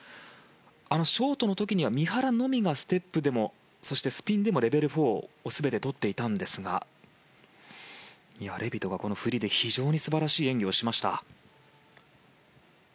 ショートの時には三原のみがステップでもそして、スピンでもレベル４を全てとっていたんですがレビトがフリーで非常に素晴らしい演技をしました。